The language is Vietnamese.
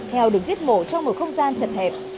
heo được giết mổ trong một không gian chật hẹp